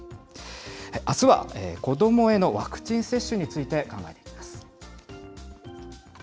あすは子どもへのワクチン接種について考えていきます。